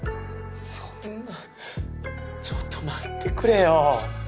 そんなちょっと待ってくれよ。